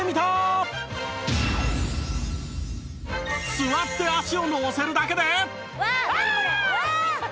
座って足を乗せるだけで